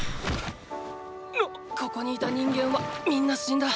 ここにいた人間はみんな死んだ。